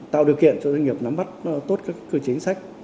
tạo điều kiện cho doanh nghiệp nắm bắt tốt các cơ chế chính sách